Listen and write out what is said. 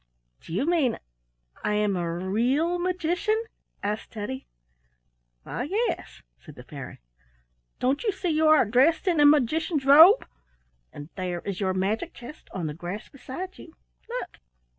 "Do you mean I am a real magician?" asked Teddy. "Why, yes," said the fairy. "Don't you see you are dressed in a magician's robe? And there is your magic chest on the grass beside you. Look!"